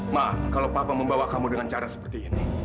mak kalau papa membawa kamu dengan cara seperti ini